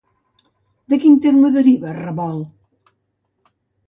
De quin terme deriva revolt?